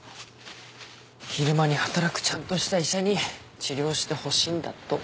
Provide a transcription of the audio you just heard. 昼間に働くちゃんとした医者に治療してほしいんだと。